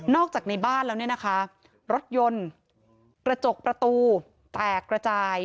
จากในบ้านแล้วเนี่ยนะคะรถยนต์กระจกประตูแตกระจาย